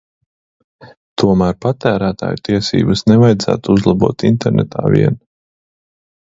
Tomēr patērētāju tiesības nevajadzētu uzlabot internetā vien.